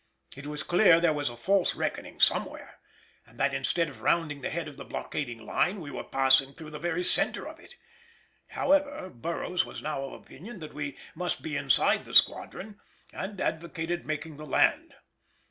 It was clear there was a false reckoning somewhere, and that instead of rounding the head of the blockading line we were passing through the very centre of it. However, Burroughs was now of opinion that we must be inside the squadron and advocated making the land.